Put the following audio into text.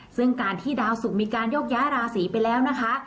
ซึ่งการที่ดาวสุกมีการโยกย้ายราศีไปแล้วนะคะ